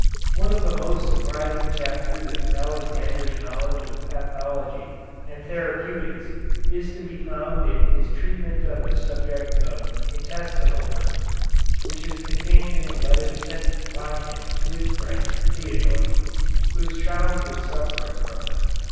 One of the most surprising chapters of Alexander's knowledge of pathology and therapeutics is to be found in his treatment of the subject of intestinal worms, which is contained in a letter sent by him to his friend, Theodore, whose child was suffering from them.